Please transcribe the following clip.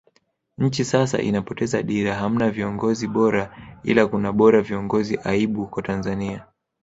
Nchi sasa inapoteza dira hamna viongozi bora ila kuna bora viongozi aibu kwa Watanzania